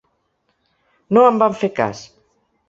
No en vam fer cas.